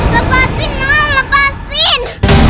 lepasin mam lepasin